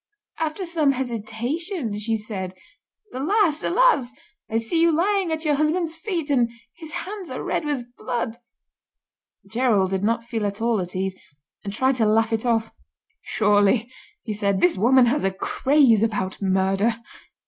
After some hesitation, she said: 'Alas! alas! I see you lying at your husband's feet, and his hands are red with blood.'" Gerald did not feel at all at ease, and tried to laugh it off. "Surely," he said, "this woman has a craze about murder."